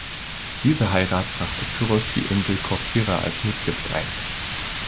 Diese Heirat brachte Pyrrhus die Insel Korkyra als Mitgift ein.